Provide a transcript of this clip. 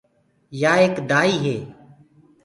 يآ ايڪ دآئي هي۔